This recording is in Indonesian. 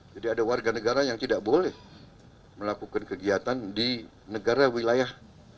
jadi ada warga negara yang tidak boleh melakukan kegiatan di negara wilayah